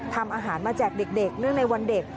ทำอาหารมาแจกเด็กเนื่องในวันเด็ก